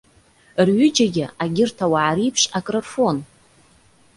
Рҩыџьагьы агьырҭ ауаа реиԥш акрырфон.